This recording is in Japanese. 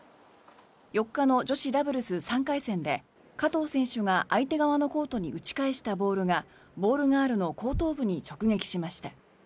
４日の女子ダブルス３回戦で加藤選手が相手側のコートに打ち返したボールがボールガールの後頭部に直撃しました。